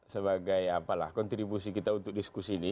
sebagai apalah kontribusi kita untuk diskusi ini